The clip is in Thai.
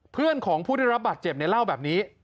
เพื่อนของผู้ได้รับบาดเจ็บเนี่ยเล่าแบบนี้